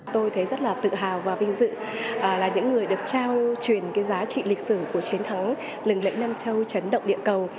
tôi thấy rất là tự hào và vinh dự là những người được trao truyền cái giá trị lịch sử của chiến thắng lừng lẫy nam châu chấn động địa cầu